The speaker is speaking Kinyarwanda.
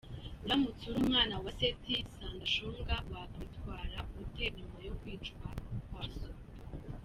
Uramutse uri umwana wa Seth Sendashonga wakwitwara ute nyuma yo kwicwa kwa so?